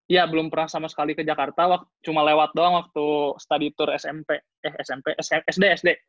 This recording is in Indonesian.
ya belum pernah sama sekali ke jakarta cuma lewat doang waktu study tour smp eh smp sd sd